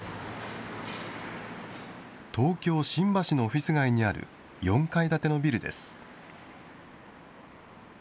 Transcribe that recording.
東京・新橋のオフィス街にある４階建てのビルです。